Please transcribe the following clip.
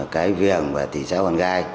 cái viền và thị xã hoàng gai